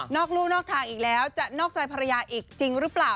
ลูกนอกทางอีกแล้วจะนอกใจภรรยาอีกจริงหรือเปล่า